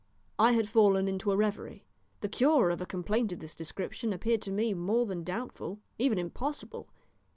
I had fallen into a reverie. The cure of a complaint of this description appeared to me more than doubtful, even impossible.